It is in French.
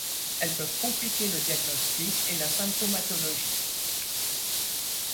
Elles peuvent compliquer le diagnostic et la symptomatologie.